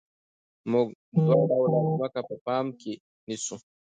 موږ دوه ډوله ځمکه په پام کې نیسو